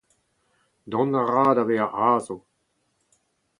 Dont a ra da vezañ azv.